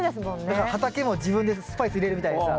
だから畑も自分でスパイス入れるみたいにさ。